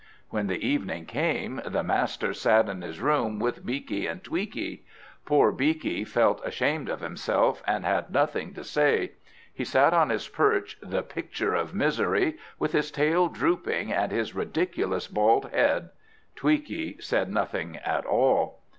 When the evening came, the master sat in his room with Beaky and Tweaky. Poor Beaky felt ashamed of himself, and had nothing to say; he sat on his perch the picture of misery, with his tail drooping, and his ridiculous bald head. Tweaky said nothing at all.